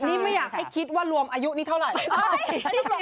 นี่ไม่อยากให้คิดว่ารวมอายุนี้เท่าไหร่